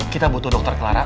kita butuh dokter clara